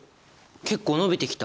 結構延びてきた！